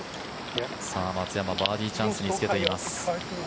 松山、バーディーチャンスにつけています。